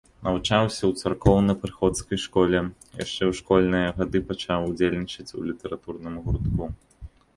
Навучаўся ў царкоўна-прыходскай школе, яшчэ ў школьныя гады пачаў удзельнічаць у літаратурным гуртку.